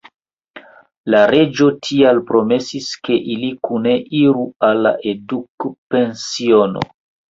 La reĝo tial promesis, ke ili kune iru al la edukpensiono.